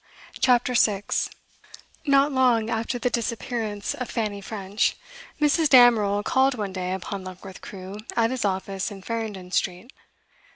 CHAPTER 6 Not long after the disappearance of Fanny French, Mrs. Damerel called one day upon Luckworth Crewe at his office in Farringdon Street.